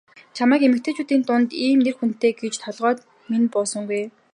Чамайг эмэгтэйчүүдийн дунд ийм нэр хүндтэй гэж толгойд минь буусангүй.